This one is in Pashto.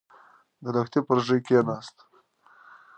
د لښتي پر ژۍکېناست.